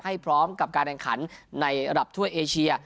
ให้พร้อมกับการแรงขันในรอบท่วยเอเชีย